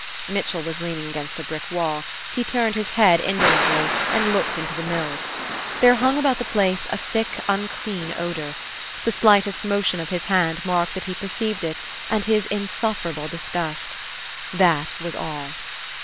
Mitchell was leaning against a brick wall. He turned his head indolently, and looked into the mills. There hung about the place a thick, unclean odor. The slightest motion of his hand marked that he perceived it, and his insufferable disgust. That was all.